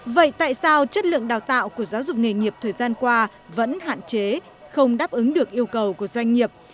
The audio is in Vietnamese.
vậy tại sao chất lượng đào tạo của giáo dục nghề nghiệp thời gian qua vẫn hạn chế không đáp ứng được yêu cầu của doanh nghiệp